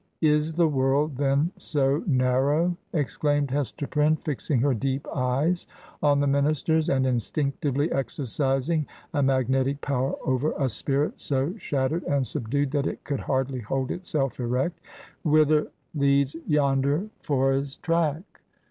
'Is the world, then, so narrow?' exclaimed Hester Prynne, fixing her deep eyes on the minister's, and instinctively exercising a magnetic power over a spirit so shattered and sub dued that it could hardly hold itself erect. 'Whither leads yonder forest track?